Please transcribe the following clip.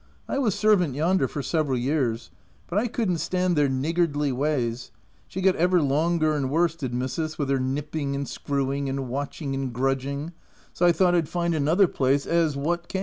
I was servant yonder for several years ; but I could'nt stand their nig gardly ways — she got ever longer and worse did Missis, with her nipping and screwing, and watching and grudging ; so I thought I'd find another place as what came."